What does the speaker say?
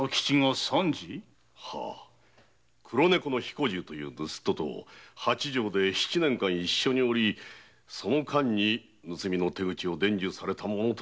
黒猫の彦十という盗っ人と八丈島で七年間一緒におり盗みの手口を伝授されたものと。